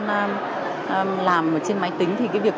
làm ở trên máy tính thì cái việc